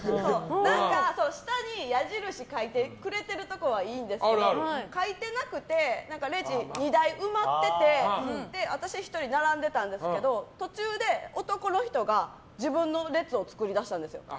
何か下に矢印書いてくれるところはいいんですけど書いていなくてレジが埋まってて、私１人並んでたんですけど途中で男の人が自分の列を作りだしたんですよ。